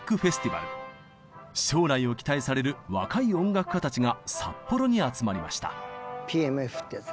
将来を期待される若い音楽家たちが札幌に集まりました。